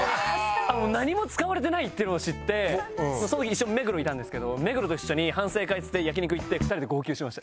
何も使われてないっていうのを知ってその日一緒に目黒いたんですけど目黒と一緒に反省会っつって焼き肉行って２人で号泣しました。